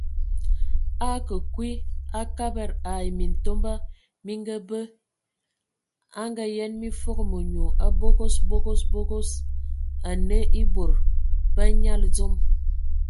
A a akǝ kwi a Kabad ai Mintomba mi ngabǝ, a Ngaayen mi foogo menyu, a bogos, bogos, bogos, anǝ e bod bə anyali dzom.